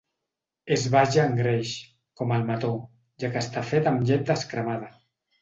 És baix en greix, com el mató, ja que està fet amb llet descremada.